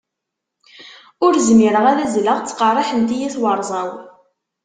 Ur zmireɣ ad azzleɣ, ttqerriḥent-iyi twerẓa-w.